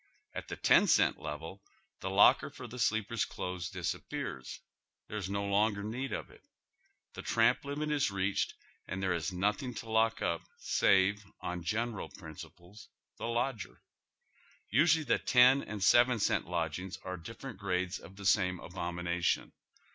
At the ten cent level the locker for the sleeper's clothes disappears. There is no longer need of it. The tramp limit is reached, and tliere is nothing to lock up save, on general principles, the lodger. Usually the ten and seven cent lodgings are dif ferent grades of the same abomination.